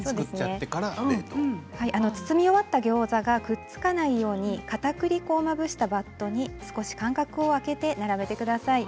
包み終わったギョーザがくっつかないようにかたくり粉をまぶしたバットに間隔を空けて並べてください。